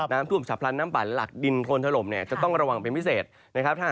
น้ำทูบสะพรรณน้ำป่าและหลักดินโคนถล่มจะต้องระวังเป็นพิเศษนะครับ